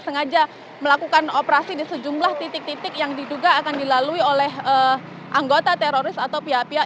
sengaja melakukan operasi di sejumlah titik titik yang diduga akan dilalui oleh anggota teroris atau pihak pihak